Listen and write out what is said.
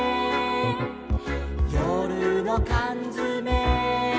「よるのかんづめ」